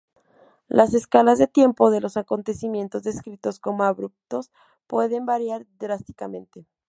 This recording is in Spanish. Las escalas de tiempo de los acontecimientos descritos como "abruptos" pueden variar drásticamente.